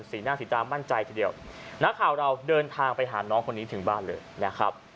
สีหน้าสีตามั่นใจทีเดียวนักข่าวเราเดินทางไปหาน้องคนนี้ถึงบ้านเลยนะครับ